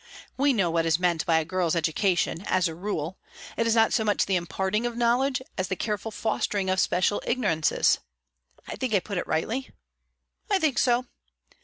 We know what is meant by a girl's education, as a rule; it is not so much the imparting of knowledge as the careful fostering of special ignorances. I think I put it rightly?" "I think so."